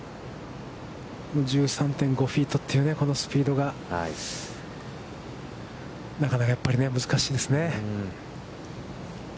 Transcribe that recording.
１３．５フィートというこのスピードがなかなかやっぱりね、難しいですね。